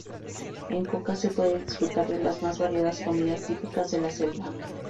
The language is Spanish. En Coca se puede disfrutar de las más variadas comidas típicas de la selva.